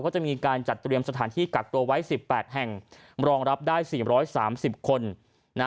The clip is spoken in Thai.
ก็จะมีการจัดเตรียมสถานที่กักตัวไว้๑๘แห่งรองรับได้๔๓๐คน